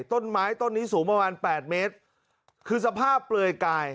ต้นไม้ต้นนี้สูงประมาณแปดเมตรคือสภาพเปลือยกาย